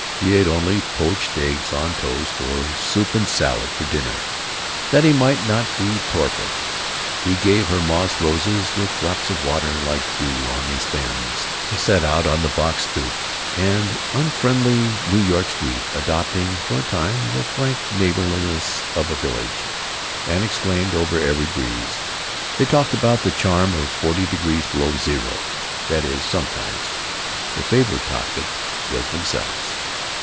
He ate only poached eggs on toast or soup and salad for dinner, that he might not be torpid. He gave her moss roses with drops of water like dew on the stems. They sat out on the box stoop—the unfriendly New York street adopting for a time the frank neighborliness of a village—and exclaimed over every breeze. They talked about the charm of forty degrees below zero. That is, sometimes. Their favorite topic was themselves.